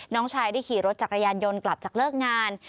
น้องชายได้ขี่รถจักรยานยนต์กลับจากเลิกงาน